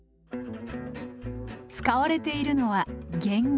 使われているのはゲンゲ。